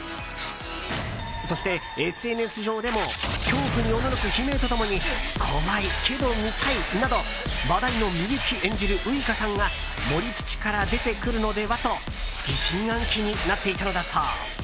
そして、ＳＮＳ上でも恐怖におののく悲鳴と共に怖いけど見たいなど話題の美雪演じるウイカさんが盛り土から出てくるのではと疑心暗鬼になっていたのだそう。